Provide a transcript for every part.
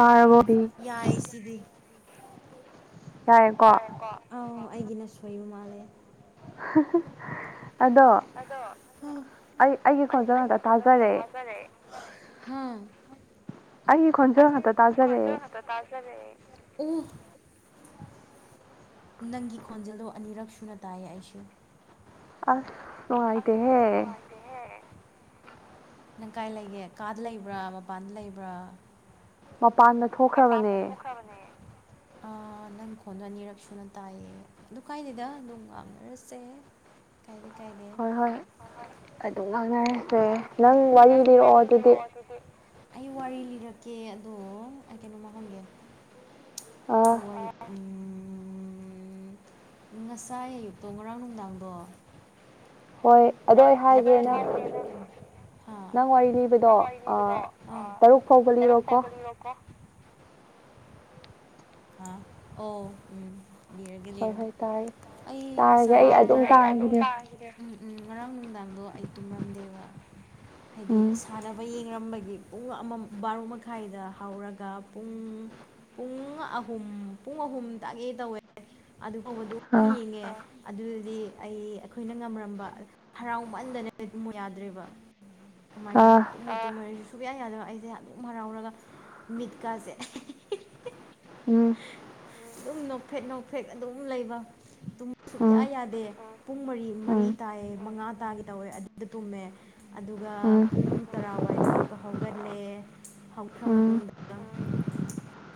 [unintelligible] ꯌꯥꯔꯤ ꯁꯤꯗꯤ ꯄꯥꯏꯌꯨꯀꯣ ꯀꫭ ꯑꯥꯎ ꯑꯩꯒꯤꯅ ꯁꯣꯏꯕ ꯃꯥꯜꯂꯦ [inaudible] [unintelligible] ꯑꯗꯣ ꯑꯩ ꯑꯩꯒꯤ ꯈꯣꯟꯖꯗ ꯊꯥꯖꯔꯛꯑꯦ ꯍꯥꯥ ꯑꯩꯒꯤ ꯈꯣꯟꯖꯦꯜ ꯉꯥꯛꯇ ꯇꯥꯖꯔꯛꯑꯦ ꯇꯥꯖꯔꯛꯑꯦ ꯏ ꯅꯪꯒꯤ ꯈꯣꯟꯖꯦꯜꯗꯣ ꯑꯅꯤꯔꯛ ꯁꯨꯅ ꯇꯥꯏꯌꯦ ꯑꯩꯁꯨ ꯑꯁ ꯅꯨꯡꯉꯥꯏꯇꯦꯍꯦ ꯇꯦꯍꯦ ꯅꯪ ꯀꯥꯏ ꯂꯩꯒꯦ ꯀꯥꯗ ꯂꯩꯕ꯭ꯔꯥ ꯃꯄꯥꯟꯗ ꯂꯩꯕ꯭ꯔꯥ ꯃꯄꯥꯟꯗ ꯃꯄꯥꯟꯗ ꯊꯣꯛꯈ꯭ꯔꯕꯅꯦ ꯅꯪ ꯈꯣꯟꯗꫭ ꯑꯅꯤꯔꯛ ꯁꯨꯅ ꯇꯥꯏꯌꯦ ꯑꯗꯨ ꯀꯥꯏꯗꯦꯗ ꯑꯗꯨꯝ ꯉꯥꯡꯅꯔꯁꯦ ꯀꯥꯏꯗꯦ ꯀꯥꯏꯗꯦ ꯉꯥꯡꯅꯔꯁꯦ ꯅꯪ ꯋꯥꯔꯤ ꯂꯤꯔꯛꯑꯣ ꯑꯗꯨꯗꯤ ꯑꯩ ꯋꯥꯔꯤ ꯂꯤꯔꯛꯀꯦ ꯑꯗꯣ ꯑꯩ ꯀꯩꯅꯣꯝꯃ ꯍꯪꯒꯦ ꯑꯣ [unintelligible] ꯉꯁꯥꯏ ꯑꯌꯨꯛꯇꯣ ꯉꯔꯥꯡ ꯅꯨꯡꯗꯥꯡꯗꯣ ꯍꯣꯏ ꯑꯗꯨ [unintelligible] ꯍꯥꯏꯈ꯭ꯔꯣꯅ ꯑ ꯅꯪ ꯋꯥꯔꯤ ꯂꯤꯕꯗꯣ ꯇꯔꯨꯛ ꯐꯥꯎꯕ ꯂꯤꯔꯣꯀꯣ ꯑ ꯑꯣ ꯎꯝ ꯕꯤꯔꯒꯔ ꯑꯩ ꯉꯁꯥꯏ [inaudible] [unintelligible] ꯎꯝ ꯎꯝ ꯉꯔꯥꯡ ꯅꯨꯡꯗꯥꯡꯗꯣ ꯑꯩ ꯇꯨꯝꯔꯝꯗꯦꯕ ꯍꯥꯏꯗꯤ ꯁꯥꯟꯅꯕ ꯌꯦꯡꯔꯝꯕꯒꯤ ꯄꯨꯡ ꯑꯃ ꯕꯥꯔꯣ ꯃꯈꯥꯏꯗ ꯍꯧꯔꯒ ꯄꯨꯡ ꯄꯨꯡ ꯑꯝ ꯑꯍꯨꯝ ꯄꯨꯡ ꯑꯍꯨꯝ ꯇꯥꯒꯦ ꯇꯧꯋꯦ ꯑꯗꯨ ꯐꯥꯎꯕꯗꯣ ꯑꯗꯨꯝ ꯌꯦꯡꯉꯦ ꯑꯗꯨꯗꯤ ꯑꯩ ꯑꯩꯈꯣꯏꯅ ꯉꯝꯔꯝꯕ ꯍꯔꯥꯎ ꯃꯟꯗꯅ ꯇꯨꯝꯃꯨ ꯌꯥꯗ꯭ꯔꯤꯕ ꯀꯃꯥꯏꯅꯔꯣ ꯇꯨꯡꯉꯥꯏ ꯇꯅꯔ ꯑꯩꯁꯨ ꯁꯨꯛꯌꯥ [inaudible] ꯌꯥꯗꯕ ꯑꯩꯁꯦ ꯑꯃꯛ ꯍꯔꯥꯎꯔꯒ ꯃꯤꯠꯀꯥꯁꯦ ꯑꯗꯨꯝ ꯅꯣꯛꯐꯦꯠ ꯅꯣꯛꯐꯦꯠ ꯑꯗꯨꯝ ꯂꯩꯕ ꯇꯨꯝꯕ ꯁꯨꯛꯌꯥ ꯌꯥꯗꯦ ꯄꯨꯡ ꯃꯔꯤ ꯃꯔꯤ ꯇꯥꯏꯌꯦ ꯃꯉꯥ ꯇꯥꯒꯦ ꯇꯧꯋꯦ ꯑꯗꯨꯗ ꯇꯨꯝꯃꯦ ꯑꯗꯨꯒ ꯄꯨꯡ ꯇꯔꯥꯋꯥꯏꯗ ꯑꯃꯨꯛꯀ ꯍꯧꯒꯠꯂꯦ ꯍꯧꯈ꯭ꯔ ꯃꯇꯨꯡꯗ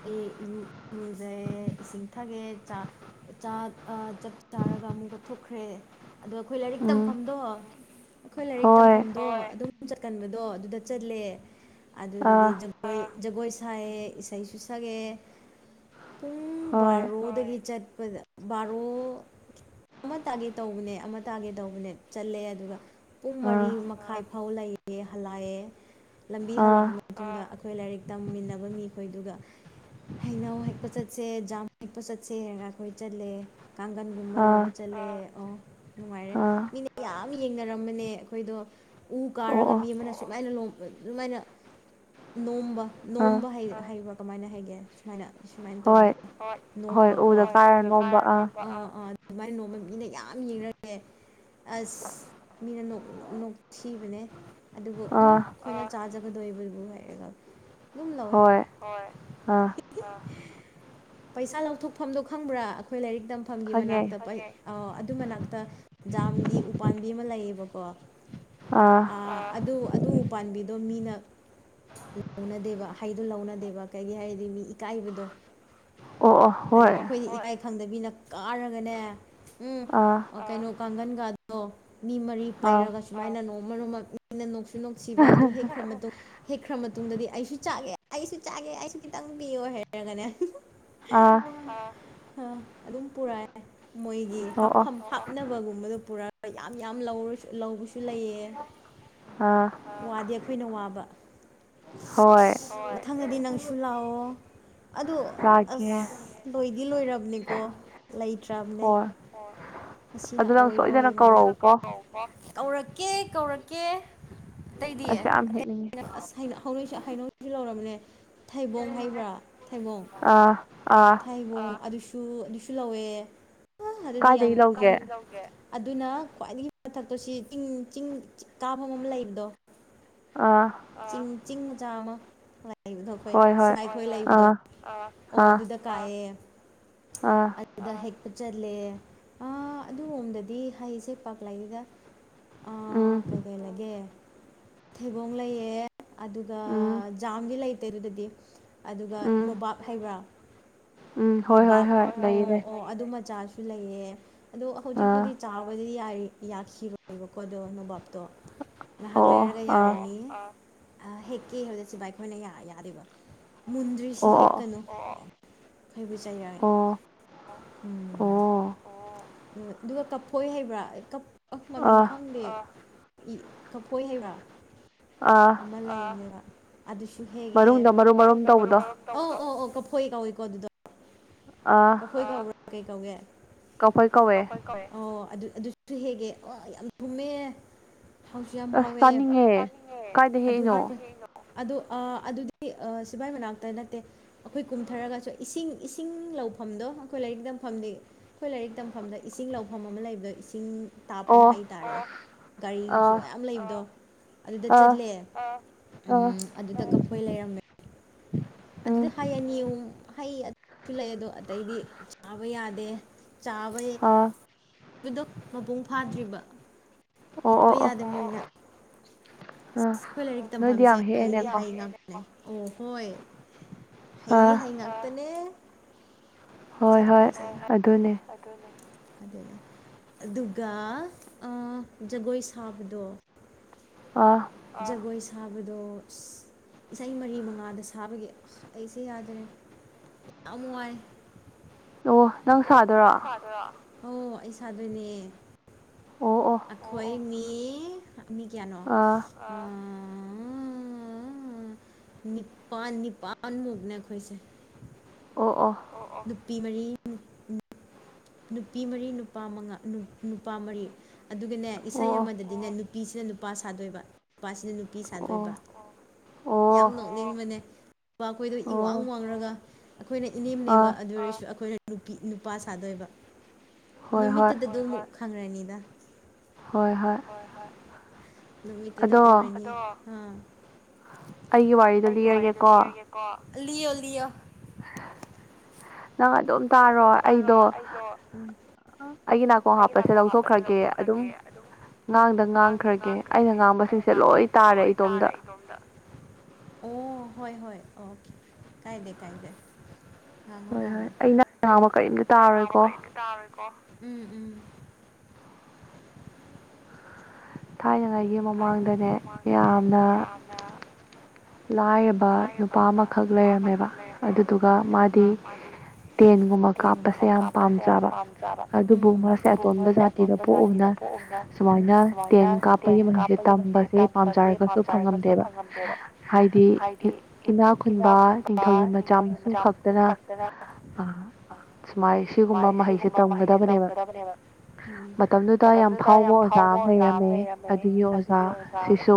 ꯑꯦ ꯔꯨ ꯎꯖꯩ ꯏꯁꯤꯡ ꯊꯛꯑꯦ ꯆꯥ ꯆꯥꯛ ꯑꯥ ꯆꯛ ꯆꯥꯔꯒ ꯑꯃꯨꯛꯀ ꯊꯣꯛꯈ꯭ꯔꯦ ꯑꯗꯣ ꯑꯩꯈꯣꯏ ꯂꯥꯏꯔꯤꯛ ꯇꯝꯐꯝꯗꯣ ꯑꯩꯈꯣꯏ ꯂꯥꯏꯔꯤꯛ ꯇꯝꯐꯝꯗꯣ ꯑꯗꯨꯝ ꯆꯠꯀꯟꯕꯗꯣ ꯑꯗꯨꯗ ꯆꯠꯂꯦ ꯑꯗꯨꯗꯗꯤ ꯖ ꯖꯒꯣꯏ ꯁꯥꯏꯑꯦ ꯏꯁꯩꯁꯨ ꯁꯛꯑꯦ ꯄꯨꯡ ꯕꯥꯔꯣꯗꯒꯤ ꯆꯠꯄꯗ ꯕꯥꯔꯣ ꯑꯃ ꯇꯥꯒꯦ ꯇꯧꯕꯅꯦ ꯑꯃ ꯇꯥꯒꯦ ꯇꯧꯕꯅꯦ ꯆꯠꯂꯦ ꯑꯗꯨꯒ ꯄꯨꯡ ꯃꯔꯤ ꯃꯈꯥꯏ ꯐꯥꯎ ꯂꯩꯌꯦ‌ ꯍꯜꯂꯛꯑꯦ ꯂꯝꯕꯤ ꯍꯜꯂꯛ ꯑꯩꯈꯣꯏ ꯂꯥꯏꯔꯤꯛ ꯇꯝꯃꯤꯟꯅꯕ ꯃꯤꯈꯣꯏꯗꯨꯒ ꯍꯩꯅꯧ ꯍꯦꯛꯄ ꯆꯠꯁꯦ ꯖꯥꯝ ꯍꯦꯛꯄ ꯆꯠꯁꯦ ꯍꯥꯏꯔꯒ ꯑꯩꯈꯣꯏ ꯆꯠꯂꯦ ꯀꯥꯡꯒꯟꯒꯨꯝꯕ ꯂꯧꯕ ꯆꯠ ꯑꯣ ꯅꯨꯡꯉꯥꯏꯔꯦ ꯃꯤꯅꯦ ꯌꯥꯝ ꯃꯤ ꯌꯦꯡꯅꯔꯝꯕꯅꯦ ꯑꯩꯈꯣꯏꯗꯣ ꯎ ꯀꯥꯔꯒ ꯃꯤ ꯑꯃꯅ ꯁꯨꯃꯥꯏꯅ ꯂ ꯁꯨꯃꯥꯏꯅ ꯅꯣꯝꯕ ꯅꯣꯝꯕ ꯍꯩꯕ꯭ꯔꯥ ꯀꯃꯥꯏꯅ ꯍꯥꯏꯒꯦ ꯁꯨꯃꯥꯏꯅ ꯁꯨꯃꯥꯏ ꯇꯧꯕꯗꯣ ꯍꫭꯏ ꯅꯣꯝꯕꯀꯣ ꯍꫭꯏ ꯎꯗ ꯀꯥꯔ ꯅꫭꯝꯕ ꯑ ꯑ ꯑꯗꯨꯃꯥꯏꯅ ꯅꯣꯡꯃ ꯃꯤꯅ ꯌꯥꯝ ꯌꯦꯡꯅꯔꯑꯦ ꯑꯁ ꯃꯤꯅ ꯅꯣꯛ ꯅꯣꯛꯊꯤꯕꯅꯦ ꯑꯗꯨꯕꯨ ꯎꯝ ꯈꯣꯏꯅ ꯆꯥꯖꯒꯗꯣꯏꯕꯕꯨ ꯍꯥꯏꯔꯒ ꯑꯗꯨꯝ ꯂꯧꯋꯦ ꯍꯣꯢ ꯄꯩꯁꯥ ꯂꯧꯊꯣꯛꯐꯝꯗꯣ ꯈꯪꯕ꯭ꯔꯥ ꯑꯩꯈꯣꯏ ꯂꯥꯏꯔꯤꯛ ꯇꯝꯐꯝꯒꯤ ꯃꯅꯥꯛꯇ ꯄꯩ ꯑꯣ ꯑꯗꯨ ꯃꯅꯥꯛꯇ ꯖꯗꯥꯝꯒꯤ ꯎꯄꯥꯝꯕꯤ ꯑꯃ ꯂꯩꯌꯦꯕꯀꯣ ꯑ ꯑꯗꯨ ꯑꯗꯨ ꯄꯥꯟꯕꯤꯗꯣ ꯃꯤꯅ ꯂꯧꯅꯗꯦꯕ ꯍꯩꯗꯣ ꯂꯧꯅꯗꯦꯕ ꯀꯩꯒꯤ ꯍꯥꯏꯔꯗꯤ ꯃꯤ ꯏꯀꯥꯏꯕ ꯗꯣ ꯑꯣ ꯑꯣ ꯑꯗꯣ ꯑꯩꯈꯣꯏꯗꯤ ꯏꯀꯥꯢ ꯈꯪꯗꯕꯤꯅ ꯀꯥꯔꯒꯅꯦ ꯎꯝ ꯀꯩꯅꯣ ꯀꯥꯡꯒꯟꯒꯥꯗꯣ ꯃꯤ ꯃꯔꯤ ꯄꯥꯏꯔꯒ ꯁꯨꯃꯥꯏꯅ ꯅꯣꯡꯃ ꯅꯣꯡꯃ ꯃꯤꯅ ꯅꯣꯛꯁꯨ ꯅꯨꯛꯁꯤꯕ ꯑꯗꯨ ꯍꯦꯛꯈ꯭ꯔ ꯃꯇꯨꯡ ꯍꯦꯛꯈ꯭ꯔ ꯃꯇꯨꯡꯗꯗꯤ ꯑꯩꯁꯨ ꯆꯥꯒꯦ ꯑꯩꯁꯨ ꯆꯥꯒꯦ ꯑꯩꯁꯨ ꯈꯤꯇꯪ ꯄꯤꯌꯣ ꯍꯥꯏꯔꯒꯅꯦ ꯑ ꯑꯗꯨꯝ ꯄꯨꯔꯑꯦ ꯃꯣꯏꯒꯤ ꯍꯥꯐꯝ ꯍꯥꯞ ꯅꯕꯒꯨꯝꯕꯗꯣ ꯄꯨꯔꯥ ꯌꯥꯝ ꯌꯥꯝ ꯂꯧꯔꯁꯨ ꯂꯧꯕꯁꯨ ꯂꯩꯌꯦ ꯑꯥ ꯋꯥꯗꯤ ꯑꯩꯈꯣꯏꯅ ꯋꯥꯕ ꯍꯣꯢ ꯊꯪꯗꯗꯤ ꯅꯪꯁꯨ ꯂꯥꯛꯑꯣ ꯑꯗꯣ ꯑꯁ ꯂꯣꯏꯗꯤ ꯂꯣꯏꯔꯕꯅꯤꯀꯣ ꯂꯩꯇ꯭ꯔꯕꯅꯦ ꯑꯁꯤꯅ ꯑꯔꯣꯏꯕ ꯑꯣꯢꯕ ꯃꯥꯜꯂꯦ ꯀꯧꯔꯛꯀꯦ ꯀꯧꯔꯛꯀꯦ ꯑꯇꯩꯗꯤ ꯑꯇꯩ ꯑꯁ ꯍꯧꯅ ꯍꯩꯅꯧꯁꯨ ꯍꯩꯅꯧꯁꯨ ꯂꯧꯔꯕꯅꯦ ꯊꯩꯕꯣꯡ ꯍꯥꯏꯕ꯭ꯔꯥ ꯊꯩꯕꯣꯡ ꯍꯩꯕꯣꯡ ꯑꯗꯨꯁꯨ ꯑꯗꯨꯁꯨ ꯂꯧꯋꯦ ꯑꯗꯨꯗꯤ ꯌꯥꯝ ꯑꯗꯨꯅ ꯈ꯭ꯋꯥꯏꯗꯒꯤ ꯃꯊꯛꯇꯣ ꯁꯤ ꯆꯤꯡ ꯆꯤꯡ ꯀꯥꯚꯝ ꯑꯃ ꯂꯩꯕꯗꯣ ꯑꯥ ꯆꯤꯡ ꯆꯤꯡ ꯃꯆꯥ ꯑꯃ ꯂꯩꯕꯗꯣ ꯑꯩꯈꯣꯏ ꯁꯤꯗ ꯑꯩꯈꯣꯏ ꯂꯩꯕꯗꯣ ꯑꯣ ꯑꯗꯨꯗ ꯀꯥꯏꯌꯦ ꯗ ꯍꯦꯛꯄ ꯆꯠꯂꯦ ꯑꯥ ꯑꯗꯨꯔꯣꯝꯗꯗꯤ ꯍꯩꯁꯦ ꯄꯥꯛ ꯂꯥꯏꯗꯦꯗ ꯑ ꯀꯩ ꯀꯩ ꯂꯩꯒꯦ ꯊꯩꯕꯣꯡ ꯂꯩꯌꯦ ꯑꯗꯨꯒ ꯖꯥꯝꯒꯤ ꯂꯩꯇꯦ ꯑꯗꯨꯗꯗꯤ ꯑꯗꯨꯒ ꯅꯣꯕꯥꯞ ꯍꯩꯕ꯭ꯔꯥ ꯅꯣꯕꯥꯞ ꯑꯣ ꯑꯣ ꯑꯗꯨ ꯃꯆꯥꯁꯨ ꯂꯩꯌꯦ ꯑꯗꯣ ꯍꯧꯖꯤꯛꯄꯨꯗꯤ ꯆꯥꯎꯥꯕꯗꯤ ꯌꯥꯢ ꯌꯈꯤꯔꯣꯏꯕꯀꯣ ꯑꯗꯣ ꯅꯣꯕꯥꯞꯇꯣ ꯉꯍꯥꯛ ꯂꯩꯔꯒ ꯌꯥꯔꯅꯤ ꯍꯦꯛꯀꯦ ꯍꯧꯔ ꯁꯤꯚꯥꯏ ꯈꯣꯏꯅ ꯌꯥ ꯌꯥꯗꯦꯕ ꯃꯨꯟꯗ꯭ꯔꯤ ꯁꯤ ꯍꯦꯛꯀꯅꯣ ꯈꯩꯕꯨ ꯆꯩꯥꯏꯔꯛꯑꯦ ꯎꯝ ꯑꯗꯨꯒ ꯀꯞꯐꯣꯏ ꯍꯩꯕ꯭ꯔꯥ ꯀꯞ ꯑ ꯃꯃꯤꯡ ꯈꯪꯗꯦ ꯀꯞꯐꯣꯢ ꯍꯩꯕ꯭ꯔꯥ ꯑꯥ ꯂꯩꯕ ꯑꯗꯨꯁꯨ ꯍꯦꯛꯒꯦ ꯑꯣ ꯑꯣ ꯀꯞꯐꯣꯢ ꯀꯧꯋꯤꯀꯣ ꯑꯗꯨꯗꯣ ꯑ ꯍꯣꯏ ꯀꯕ꯭ꯔꯥ ꯀꯩ ꯀꯧꯒꯦ ꯑꯣ ꯑꯗꯨ ꯑꯗꯨꯁꯨ ꯍꯦꯛꯒꯦ ꯑꯣ ꯌꯥꯝ ꯊꯨꯝꯃꯦ ꯍꯧꯁꯨ ꯌꯥꯝ ꯍꯧꯥꯎꯋꯦ ꯑꯗꯨ ꯍ ꯑꯗꯨ ꯑꯗꯨꯗꯤ ꯁꯤꯚꯏ ꯃꯅꯥꯛꯇ ꯅꯠꯇꯦ ꯑꯩꯈꯣꯏ ꯀꯨꯝꯊꯔꯒꯁꯨ ꯏꯁꯤꯡ ꯏꯁꯤꯡ ꯂꯧ ꯇꯧꯐꯝꯗꯣ ꯑꯩꯈꯣꯏ ꯂꯥꯏꯔꯤꯛ ꯇꯝꯐꯝꯗꯤ ꯑꯩꯈꯣꯏ ꯂꯥꯏꯔꯤꯛ ꯇꯝꯐꯝꯗ ꯏꯁꯤꯡ ꯂꯧꯐꯝ ꯑꯃ ꯂꯩꯕꯗꯣ ꯏꯁꯤꯡ ꯇꯥꯐꯝ ꯍꯥꯏꯩꯇꯥꯔꯦ ꯒꯥꯔꯤꯁꯨ ꯌꯥꯝꯌꯥꯝ ꯂꯩꯕꯗꯣ ꯑꯗꯨꯗ ꯆꯠꯂꯦ ꯎꯝ ꯑꯗꯨꯗ ꯀꯐꯣꯏ ꯂꯩꯔꯝꯕ ꯑꯗꯨꯗꯤ ꯍꯩ ꯑꯅꯤꯌꯨꯝ ꯍꯩ ꯑꯗꯨꯁꯨ ꯂꯩ ꯑꯗꯣ ꯑꯇꯩꯗꯤ ꯆꯥꯕ ꯌꯥꯗꯦ ꯆꯥꯕꯕꯗꯣ ꯃꯄꯨꯡ ꯐꯥꯗ꯭ꯔꯤꯕ ꯍꯤꯠꯄ ꯌꯥꯗꯦ ꯃꯣꯏꯅ ꯑ ꯑꯩꯈꯣꯏ ꯂꯥꯏꯔꯤꯛ ꯇꯝꯐꯝꯁꯦ ꯍꯥꯏꯗꯤꯅꯦ ꯑꯣ ꯍꯣꯏ ꯍꯩꯌꯦ ꯍꯩ ꯉꯥꯛꯇꯅꯦ ꯍꯣꯏ ꯍꯣꯏ ꯑꯗꯨꯅꯦ ꯑꯗꯨꯅꯦ ꯑꯗꯨꯒ ꯖꯒꯣꯏ ꯁꯥꯕꯗꯣ ꯑ ꯖꯒꯣꯏ ꯁꯥꯕꯗ ꯏꯁꯩ ꯃꯔꯤ ꯃꯉꯥꯗ ꯁꯥꯕꯒꯤ ꯑꯩꯁꯦ ꯌꯥꯗꯔꯦ ꯌꯥꯝ ꯋꯥꯔꯦ ꯑꯣ ꯅꯪ ꯁꯥꯗꯣꯏꯔꯣ ꯑ ꯑꯣ ꯑꯩ ꯁꯥꯗꯣꯏꯅꯦ ꯑꯩꯈꯣꯏ ꯃꯤ ꯃꯤ ꯀꯌꯥꯅꯣ ꯎ ꯅꯤꯄꯥꯟ ꯅꯤꯄꯥꯟ ꯃꯨꯛ ꯅꯈꯣꯏꯁꯦ ꯑꯣ ꯅꯨꯄꯤ ꯃꯔꯤ ꯅꯨꯄꯤ ꯃꯔꯤ ꯅꯨꯄꯥ ꯃꯉꯥ ꯅꯨꯄꯥ ꯃꯔꯤ ꯑꯗꯨꯒꯅꯦ ꯏꯁꯩ ꯑꯃꯗꯗꯤꯅꯦ ꯅꯨꯄꯤꯁꯤꯅ ꯅꯨꯄꯥ ꯁꯥꯗꯣꯏꯕ ꯅꯨꯄꯥꯁꯤꯅ ꯅꯨꯄꯤ ꯁꯥꯗꯣꯏꯕ ꯌꯥꯝ ꯅꯣꯛꯅꯤꯡꯕꯅꯦ ꯄꯥ ꯑꯩꯈꯣꯏꯗꯣ ꯏ ꯋꯥꯡ ꯋꯥꯡꯔꯒ ꯑꯩꯈꯣꯏꯅ ꯏꯅꯦꯝ ꯅꯦꯝꯕ ꯑꯗꯨ ꯑꯣꯏꯔꯁꯨ ꯑꯩꯈꯣꯏꯅ ꯅꯨꯄꯤ ꯅꯨꯄꯥ ꯁꯥꯗꯣꯏꯕ ꯅꯨꯃꯤꯠꯇꯨꯗ ꯑꯗꯨꯝ ꯑꯃꯨꯛ ꯈꯪꯉꯅꯤꯗ ꯍꯣꯏ ꯍꯣꯏ ꯍ ꯍ ꯅꯨꯃꯤꯠꯇꯨꯗ ꯎꯔꯦꯅꯤ ꯑꯩꯒꯤ ꯋꯥꯔꯤꯗꯣ ꯂꯤꯔꯒꯦꯀꯣ ꯂꯑꯣ ꯂꯌꯣ ꯅꯪ ꯑꯗꯨꯝ ꯇꯥꯔꯣ ꯑꯩꯗꯣ ꯑꯩꯒꯤ ꯅꯥꯀꯣꯡ ꯍꯥꯞꯄꯁꯦ ꯂꯧꯊꯣꯛꯈ꯭ꯔꯒꯦ ꯑꯗꯨꯝ ꯉꯥꯡꯗ ꯉꯥꯡꯈ꯭ꯔꯒꯦ ꯑꯩꯅ ꯉꯥꯡꯕꯁꯤꯡꯁꯦ ꯂꯣꯏ ꯇꯥꯔꯦ ꯏꯇꯣꯝꯗ ꯑꯣ ꯑꯣ ꯍꯣꯏ ꯍꯣꯏ ꯑꯣꯀꯦ ꯀꯥꯏꯗꯦ ꯀꯥꯏꯗꯦ ꯉꯉꯣ ꯉꯉꯣ ꯎ ꯑꯩ ꯅꯅꯥꯕ ꯀꯔꯤꯝꯇ ꯇꯥꯔꯣꯏꯀꯣ ꯎꯝ ꯎ ꯊꯥꯏꯅꯉꯥꯏꯒꯤ ꯃꯃꯥꯡꯗꯅꯦ ꯌꯥꯝꯅ [unintelligible] ꯂꯥꯏ ꯂꯥꯏꯔꯕꯒ ꯅꯨꯄꯥ ꯑꯃꯈꯛ ꯂꯩꯔꯝꯃꯦꯕ ꯑꯗꯨꯗꯨꯒ ꯃꯥꯗꯤ ꯇꯦꯟꯒꯨꯝꯕ ꯀꯥꯞꯄꯁꯦ ꯌꯥꯝ ꯄꯥꯝꯖꯕ ꯑꯗꯨꯕꯨ ꯃꯥꯁꯦ ꯑꯇꯣꯟꯕ ꯖꯥꯇꯤꯗ ꯄꯣꯛꯎꯕꯅ ꯁꯨꯃꯥꯏꯅ ꯇꯦꯟ ꯀꯥꯞꯄꯒꯤ ꯃꯍꯩꯁꯦ ꯇꯝꯕꯁꯦ ꯄꯥꯝꯖꯔꯒꯁꯨ ꯐꯪꯉꯝꯗꯦꯕ꯫ ꯍꯥꯏꯗꯤ ꯏꯅꯥ ꯈꯨꯟꯕ ꯅꯤꯡꯊꯧ ꯌꯨꯝ ꯃꯆꯥ ꯃꯁꯨ ꯈꯛꯇꯅ ꯁꯨꯃꯥꯏ ꯁꯤꯒꯨꯝꯕ ꯃꯍꯩꯁꯦ ꯇꯝꯒꯗꯕꯅꯦꯕ ꯃꯇꯝꯗꯨꯗ ꯌꯥꯝ ꯐꯥꯎꯕ ꯑꯣꯖꯥ ꯑꯃ ꯂꯩꯔꯝꯃꯦ ꯑꯗꯨꯒꯤ ꯑꯣꯖꯥꯁꯤꯁꯨ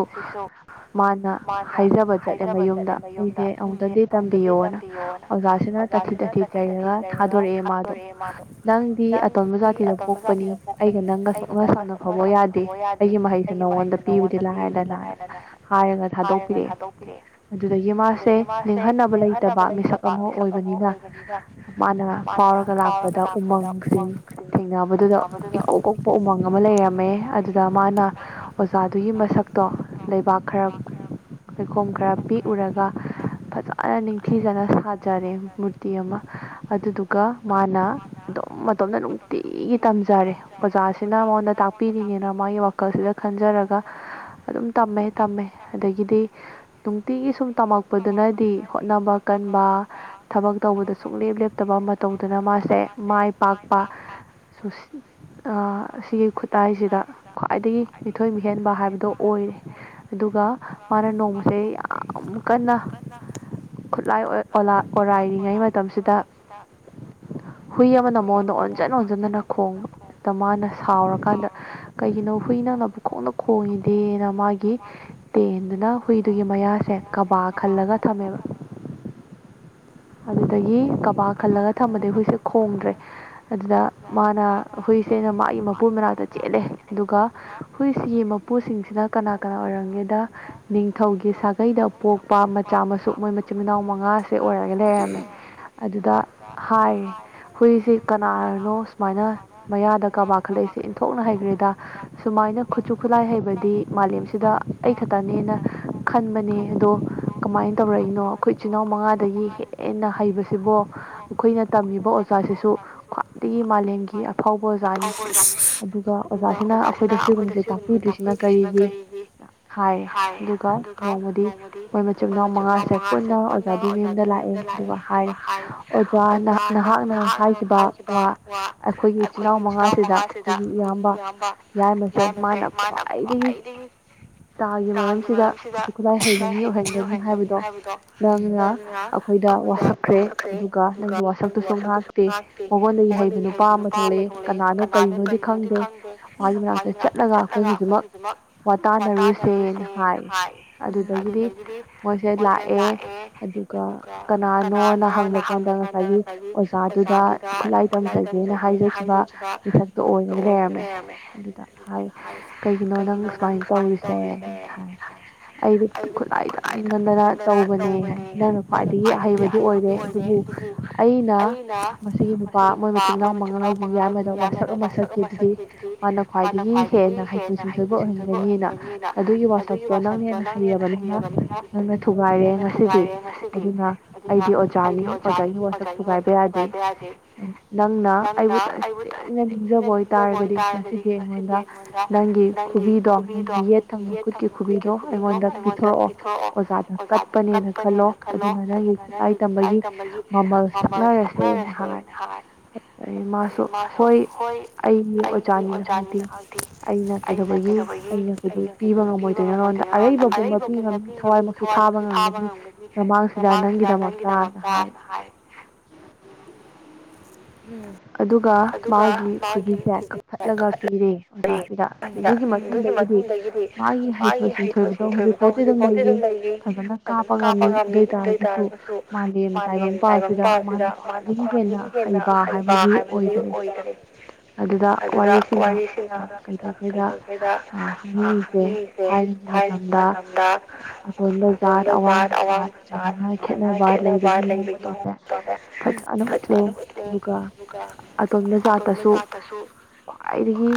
ꯃꯥꯅ ꯍꯥꯏꯖꯕ ꯆꯠꯂꯦ ꯃꯌꯨꯝꯗ ꯑꯩꯁꯦ ꯑꯃꯨꯛꯇꯪꯗꯤ ꯇꯝꯕꯤꯌꯣꯅ ꯑꯣꯖꯥꯁꯤꯅ ꯇꯥꯊꯤ ꯇꯥꯊꯤ ꯆꯩꯩꯔꯒ ꯊꯥꯗꯣꯔꯛꯑꯦ ꯃꯥꯗꯣ ꯅꯪꯗꯤ ꯑꯇꯣꯟꯕ ꯖꯥꯇꯤꯗ ꯄꯣꯛꯄꯅꯤ ꯑꯩꯒ ꯅꯪꯒꯅ ꯁꯝꯅ ꯐꯕ ꯌꯥꯗꯦ ꯑꯩꯒꯤ ꯃꯍꯩꯁꯦ ꯅꯉꯣꯟꯗ ꯄꯤꯕꯨꯗꯤ ꯂꯥꯛꯑꯦꯗꯅꯥꯅ ꯍꯥꯏꯔꯒ ꯊꯥꯗꯣꯛꯄꯤꯔꯛꯑꯦ ꯇꯧꯕꯤꯔꯛꯑꯦ ꯑꯗꯨꯗꯒꯤ ꯃꯥꯁꯦ ꯅꯤꯡꯍꯟꯅꯕ ꯂꯩꯇꯕ ꯃꯤꯁꯛ ꯑꯃ ꯑꯣꯏꯕꯅꯤꯅ ꯃꯥꯅ ꯐꯥꯎꯔꯒ ꯂꯥꯛꯄꯗ ꯎꯃꯪꯁꯤꯡ ꯊꯦꯡꯅꯕꯗꯨꯗ ꯏꯀꯣꯛ ꯀꯣꯛ ꯎꯃꯪ ꯑꯃ ꯂꯩꯔꯝꯃꯦ ꯑꯗꯨꯗ ꯃꯥꯅ ꯑꯣꯖꯥꯗꯨꯒꯤ ꯃꯁꯛꯇꯣ ꯂꯩꯕꯥꯛ ꯈꯔ ꯂꯩꯈꯣꯝ ꯈꯔ ꯄꯤꯛꯎꯔꯒ ꯐꯖꯅ ꯅꯤꯡꯊꯤꯖꯅ ꯁꯥꯖꯔꯦ ꯃꯨꯔ ꯇꯤ ꯑꯃ ꯑꯗꯨꯗꯨꯒ ꯃꯥꯅ ꯑꯗꯨꯝ ꯃꯇꯣꯝꯇ ꯅꯨꯡꯇꯤꯒꯤ ꯇꯝꯖꯔꯦ ꯑꯣꯖꯥꯁꯤꯅ ꯃꯉꯣꯟꯗ ꯇꯥꯛꯄꯤꯔꯤꯅꯤꯅ ꯃꯥꯒꯤ ꯋꯥ ꯈꯜꯁꯤꯗ ꯈꯟꯖꯔꯒ ꯑꯗꯨꯝ ꯇꯝꯃꯦ ꯇꯝꯃꯦ ꯑꯗꯒꯤꯗꯤ ꯅꯨꯡꯇꯤꯒꯤ ꯁꯨꯝ ꯇꯃꯛ ꯄꯗꯨꯅꯗꯤ ꯍꯣꯠꯅꯕ ꯀꯟꯕ ꯊꯕꯛ ꯇꯧꯕꯗ ꯁꯨꯡꯂꯦꯞ ꯂꯦꯞꯇꯕ ꯃ ꯇꯕ ꯃꯇꯧꯗꯨꯅ ꯃꯥꯁꯦ ꯃꯥꯏ ꯄꯥꯛꯄ ꯁꯨꯁꯤ ꯑ ꯁꯤꯒꯤ ꯈꯨꯠꯇꯥꯏꯁꯤꯗ ꯈ꯭ꯋꯥꯏꯗꯒꯤ ꯃꯤꯊꯣꯏ ꯃꯤꯍꯦꯟꯕ ꯍꯥꯏꯕꯗꯣ ꯑꯣꯏꯔꯦ꯫ ꯑꯗꯨꯒ ꯃꯥꯅ ꯅꯣꯡꯃꯁꯦ ꯌꯥꯝ ꯀꯟꯅ ꯈꯨꯠꯂꯥꯏ ꯑꯣꯔꯥꯏꯔꯤꯉꯩ ꯃꯇꯝꯁꯤꯗ ꯍꯨꯏ ꯑꯃꯅ ꯃꯉꯣꯟꯗ ꯑꯣꯟꯖꯟ ꯑꯣꯟꯖꯟꯗꯅ ꯈꯣꯡꯕꯗ ꯃꯥꯅ ꯁꯥꯎꯔꯀꯥꯟꯗ ꯀꯩꯒꯤꯅꯣ ꯍꯨꯏ ꯅꯪꯅ ꯄꯨꯈꯣꯡꯗ ꯈꯣꯡꯉꯤꯗꯤꯅ ꯃꯥꯒꯤ ꯇꯦꯟ ꯑꯗꯨꯅ ꯍꯨꯏꯗꯨꯒꯤ ꯃꯌꯥꯁꯦ ꯀꯕꯥ ꯈꯜꯂꯒ ꯊꯝꯃꯦꯕ꯫ ꯑꯗꯨꯗꯒꯤ ꯀꯕꯥ ꯈꯜꯂꯒ ꯊꯝꯕꯗꯩ ꯍꯈꯣꯏꯁꯦ ꯈꯣꯡꯗ꯭ꯔꯦ꯫ ꯑꯗꯨꯗ ꯃꯥꯅ ꯍꯨꯏꯁꯦ ꯑꯅ ꯃꯥꯒꯤ ꯃꯄꯨ ꯃꯅꯥꯛꯇ ꯆꯦꯜꯂꯦ ꯑꯗꯨꯒ ꯍꯨꯏꯁꯤꯒꯤ ꯃ ꯃꯄꯨꯁꯤꯡꯁꯤꯅ ꯀꯅꯥ- ꯀꯅꯥ ꯑꯣꯏꯔꯝꯒꯦꯗ ꯅꯤꯡꯊꯧꯒꯤ ꯁꯥꯒꯩꯗ ꯄꯣꯛꯄ ꯃꯆꯥ ꯃꯁꯨ ꯃꯣꯏ ꯃꯆꯤꯟ ꯃꯅꯥꯎ ꯃꯉꯥ ꯑꯣꯏꯔꯒ ꯂꯩꯔꯝꯃꯦ ꯑꯗꯨꯗ ꯍꯥꯏꯔꯦ ꯍꯨꯏꯁꯤ ꯀꯅꯥꯅꯣ ꯁꯨꯃꯥꯏꯅ ꯃꯌꯥꯗ ꯀꯕꯥ ꯈꯠꯂꯛꯏꯁꯦ ꯏꯟꯊꯣꯛꯅ ꯍꯩꯒ꯭ꯔꯦꯗ ꯁꯨꯃꯥꯏꯅ ꯈꯨꯠꯁꯨ ꯈꯨꯠꯂꯥꯏ ꯍꯩꯕꯗꯤ ꯃꯥꯂꯦꯝꯁꯤꯗ ꯑꯩ ꯈꯛꯇꯅꯦ ꯅ ꯈꯟꯕꯅꯦ ꯑꯗꯣ ꯀꯃꯥꯏꯅ ꯇꯧꯔꯛꯏꯅꯣ ꯑꯩꯈ ꯏꯆꯜ ꯏꯅꯥꯎ ꯃꯉꯥ ꯗꯒꯤ ꯍꯦꯟꯅ ꯍꯩꯕꯁꯤꯕꯨ ꯑꯩꯈꯣꯏꯅ ꯇꯝꯃꯤꯕ ꯑꯣꯖꯥꯁꯤꯁꯨ ꯈ꯭ꯋꯥꯏꯗꯒꯤ ꯃꯥꯂꯦꯝꯒꯤ ꯐꯥꯎꯕ ꯑꯣꯖꯥꯅꯤ ꯑꯗꯨꯒ ꯑꯣꯖꯥꯁꯤꯅ ꯑꯩꯈꯣꯏꯗ ꯁꯤꯒꯨꯝꯕꯁꯦ ꯇꯥꯛꯄꯤꯗ꯭ꯔꯤꯁꯤꯅ ꯀꯔꯤꯒꯤ? ꯍꯥꯏ ꯑꯗꯨꯒ ꯅꯣꯡꯃꯗꯤ ꯃꯣꯏ ꯃꯆꯤꯟ ꯃꯅꯥꯎ ꯃꯉꯥꯁꯦ ꯄꯨꯟꯅ ꯑꯣꯖꯥꯗꯨꯏ ꯌꯨꯝꯗ ꯂꯥꯛꯑꯦ ꯑꯗꯨꯒ ꯍꯥꯏꯔꯦ ꯑꯣꯖꯥ ꯅꯍꯥꯛꯅ ꯍꯥꯏꯈꯤꯕ ꯋꯥ ꯑꯩꯈꯣꯏꯒꯤ ꯏꯆꯤꯜꯅꯥꯎ ꯃꯉꯥꯁꯤꯗ ꯑꯩꯈꯣꯏꯒꯤ ꯏꯌꯥꯝꯕ ꯌꯥꯏꯃꯁꯦ ꯃꯥꯅ ꯈ꯭ꯋꯥꯏꯗꯒꯤ ꯇꯥꯒꯤ ꯃꯔꯝ ꯁꯤꯗ ꯈꯨꯠꯁꯨ ꯈꯨꯠꯂꯥꯏ ꯍꯩꯕ ꯃꯤ ꯑꯣꯏꯍꯟꯒꯅꯤ ꯍꯥꯏꯕꯗꯣ ꯅꯪꯅ ꯑꯈꯣꯏꯗ ꯋꯥꯁꯛꯈ꯭ꯔꯦ ꯑꯗꯨꯒ ꯅꯪꯒꯤ ꯋꯥꯁꯛꯇꯨꯁꯨ ꯉꯥꯛꯇꯦ ꯃꯉꯣꯟꯗꯒꯤ ꯍꯩꯕ ꯅꯨꯄꯥ ꯑꯃ ꯊꯣꯛꯂꯛꯑꯦ ꯀꯅꯥꯅꯣ ꯀꯔꯤꯅꯣꯗꯤ ꯈꯪꯗꯦ ꯃꯥꯒꯤ ꯃꯅꯥꯛꯇ ꯆꯠꯂꯒ ꯑꯩꯈꯣꯏ ꯍꯧꯖꯤꯛꯃꯛ ꯋꯥ ꯇꯥꯟꯅꯔꯨꯁꯦꯅ ꯍꯥꯏ ꯑꯗꯨꯗꯒꯤꯗꯤ ꯃꯣꯏꯁꯦ ꯂꯥꯛꯑꯦ ꯑꯗꯨ ꯀꯅꯥꯅꯣꯅ ꯍꯪꯕ ꯀꯥꯟꯗ ꯉꯁꯥꯏꯒꯤ ꯑꯣꯖꯥꯗꯨꯗ ꯈꯨꯠꯂꯥꯏ ꯇꯝꯖꯒꯦꯅ ꯍꯥꯏꯖꯈꯤꯕ ꯃꯤꯁꯛꯇꯣ ꯑꯣꯏꯅꯔꯒ ꯂꯩꯔꯝꯃꯦ ꯑꯗꯨꯗ ꯍꯥꯏ ꯀꯩꯒꯤꯅꯣ ꯅꯪ ꯁꯨꯃꯥꯏꯅ ꯇꯧꯔꯤꯁꯦ? ꯍꯥꯏ ꯑꯩꯗꯤ ꯈꯨꯠꯂꯥꯏ ꯇꯝꯅꯤꯡꯃꯟꯗꯅ ꯇꯧꯕꯅꯦ ꯍꯥꯏ ꯅꯪꯅ ꯈ꯭ꯋꯥꯏꯗꯒꯤ ꯑꯍꯩꯕꯗꯤ ꯑꯣꯏꯔꯦ ꯑꯗꯨꯕꯨ ꯑꯩꯅ ꯃꯁꯤꯒꯤ ꯅꯨꯄꯥ ꯃꯣꯏ ꯃꯆꯤꯟ ꯃꯅꯥꯎ ꯃꯉꯥ ꯌꯥꯝꯕꯗ ꯋꯥꯁꯛ ꯑꯃ ꯁꯛꯈꯤ ꯑꯗꯨꯗꯤ ꯃꯥꯅ ꯈ꯭ꯋꯥꯏꯗꯒꯤ ꯍꯦꯟꯅ ꯍꯩꯊꯣꯏ ꯁꯤꯡꯊꯣꯏꯕ ꯑꯣꯏꯍꯟꯒꯅꯤꯅ ꯑꯗꯨꯒꯤ ꯋꯥꯁꯛꯇꯣ ꯅꯪꯅ ꯍꯦꯟꯅ ꯍꯩꯔꯕꯅꯤꯅ ꯅꯪꯅ ꯊꯨꯒꯥꯏꯔꯦ ꯉꯁꯤꯗꯤ꯫ ꯑꯗꯨꯅ ꯑꯩꯗꯤ ꯑꯣꯖꯥꯅꯤ ꯑꯣꯖꯥꯒꯤ ꯋꯥꯁꯛ ꯊꯨꯒꯥꯏꯕ ꯌꯥꯗꯦ ꯅꯪꯅ ꯑꯩꯕꯨ ꯇꯁꯦꯡꯅ ꯅꯤꯡꯖꯕ ꯑꯣꯏꯇꯥꯔꯒꯗꯤ ꯉꯁꯤꯗꯤ ꯑꯩꯉꯣꯟꯗ ꯅꯪꯒꯤ ꯈꯨꯕꯤꯗꯣ ꯅꯪꯒꯤ ꯌꯦꯠ ꯊꯪꯕ ꯈꯨꯠꯀꯤ ꯈꯨꯕꯤꯗꯣ ꯑꯩꯉꯣꯟꯗ ꯄꯤꯊꯣꯔꯛꯑꯣ ꯑꯣꯖꯥꯗ ꯀꯠꯄꯅꯦꯅ ꯈꯜꯂꯣ ꯑꯗꯨꯅ ꯅꯪꯒꯤ ꯈꯨꯠꯂꯥꯏ ꯇꯝꯕꯒꯤ ꯃꯃꯜ ꯁꯛꯅꯔꯁꯦꯅ ꯍꯥꯏ ꯃꯥꯁꯨ ꯍꯣꯏ ꯑꯩꯒꯤ ꯑꯣꯖꯥꯅꯤ ꯅꯍꯥꯛꯇꯤ ꯑꯩꯅ ꯀꯩꯗꯧꯕꯒꯤ ꯑꯩꯅ ꯀꯩꯗ ꯄꯤꯕ ꯉꯝꯃꯣꯏꯗꯣꯏꯅꯣ ꯅꯪꯉꯣꯡꯗ ꯑꯔꯩꯕꯄꯨꯝꯕ ꯄꯤꯕ ꯉꯝꯅꯤ ꯊꯋꯥꯏꯃꯛꯁꯨ ꯊꯥꯕ ꯉꯝꯒꯅꯤ ꯅꯃꯥꯡ ꯁꯤꯗ ꯅꯪꯒꯤꯗꯃꯛꯇꯅ ꯍꯥꯏ ꯍꯥꯏ ꯎꯝ ꯑꯗꯨꯒ ꯃꯥꯒꯤ ꯈꯨꯕꯤꯁꯦ ꯀꯛꯊꯠꯂꯒ ꯄꯤꯔꯦ ꯑꯣꯖꯥꯁꯤꯗ ꯑꯗꯨꯒꯤ ꯃꯇꯨꯡꯗꯒꯤꯗꯤ ꯃꯥꯒꯤ ꯍꯩꯊꯣꯏ ꯁꯤꯡꯊꯣꯏꯕꯗꯣ ꯍꯧꯖꯤꯛ ꯐꯥꯎꯗꯤ ꯑꯗꯨꯝ ꯂꯩꯔꯤ ꯐꯖꯅ ꯀꯥꯞꯄ ꯉꯝꯃꯤ ꯑꯗꯨ ꯑꯣꯏ ꯇꯥꯔꯒꯁꯨ ꯃꯥꯂꯦꯝ ꯇꯥꯏꯕꯪꯄꯥꯟꯁꯤꯗ ꯃꯥꯅ ꯈ꯭ꯋꯥꯏꯗꯒꯤ ꯍꯦꯟꯅ ꯍꯩ ꯍꯩꯕ ꯍꯥꯢꯕꯁꯤ ꯑꯣꯏꯗ꯭ꯔꯦ ꯑꯗꯨꯗ ꯋꯥꯔꯤꯁꯤꯅ ꯀꯩꯗꯧꯒꯦꯗ ꯍꯥꯢꯅꯤꯡꯢꯁꯦ ꯊꯥꯢꯅꯒꯤ ꯃꯇꯝꯗ ꯑꯇꯣꯟ ꯖꯥꯠ ꯑꯋꯥꯡꯕꯖꯥꯠ ꯑꯗꯨꯃꯥꯏꯅ ꯈꯦꯠꯅꯕ ꯂꯩꯕꯒꯤ ꯇ ꯐꯂ [inaudible] ꯑꯗꯨꯒ ꯑꯇꯣꯟꯅ ꯖꯥꯠꯇꯁꯨ ꯈ꯭ꯋꯥꯏꯗꯒꯤ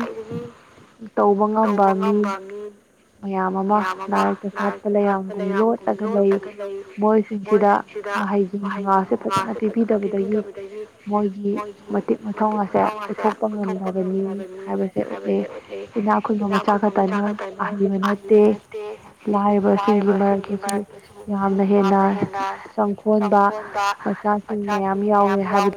ꯇꯧꯕ ꯉꯝꯕ ꯃꯤ ꯃꯌꯥꯝ ꯑꯃ ꯅꯥꯔꯛꯇ ꯁꯥꯠꯄ ꯂꯌꯥꯝꯒꯨꯝ ꯂꯣꯠꯂꯒ ꯂꯩ ꯃꯣꯏꯁꯤꯡꯁꯤꯗ ꯃꯍꯩ ꯃꯍꯩꯒꯤ ꯃꯉꯥꯡꯁꯦ ꯐꯖꯅ ꯄꯤꯕꯤꯗꯕꯗꯒꯤ ꯃꯣꯏꯒꯤ ꯃꯇꯤꯛ ꯃꯊꯥꯎꯅꯁꯦ ꯎꯠꯊꯣꯛꯄ ꯉꯝꯗꯕꯅꯤ ꯍꯥꯏꯕꯁꯦ ꯎꯠꯂꯤ ꯏꯅꯥꯛ ꯈꯨꯟꯕ ꯃꯆꯥ ꯈꯛꯇꯅ ꯑꯍꯩꯕ ꯅꯠꯇꯦ ꯂꯥꯏꯔꯕꯁꯤꯡꯒꯤ ꯃꯔꯛꯇꯁꯨ ꯌꯥꯝꯅ ꯍꯦꯟꯅ ꯆꯪꯈꯣꯟꯕ ꯃꯆꯥ ꯁꯤ ꯃꯌꯥꯝ ꯌꯥꯎꯌꯦ ꯍꯥꯏꯕꯗꯤ